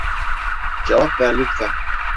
Cevap ver lütfen.